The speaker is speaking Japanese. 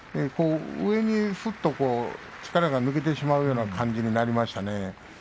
上にすっと力が抜けてしまうような感じになりましたね。